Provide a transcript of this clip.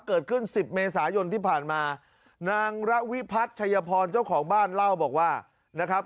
สิบเมษายนที่ผ่านมานางระวิพัฒน์ชัยพรเจ้าของบ้านเล่าบอกว่านะครับ